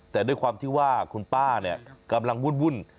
แต่ด้วยความที่ว่าคุณป้าเนี่ยกำลังวุ่น